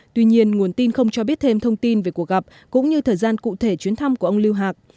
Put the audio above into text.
tuy nhiên nguồn tin không cho biết thêm thông tin về cuộc gặp cũng như thời gian cụ thể chuyến thăm của ông lưu hạc